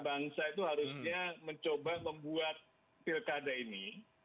jadi bangsa itu harusnya mencoba membuat pilkada ini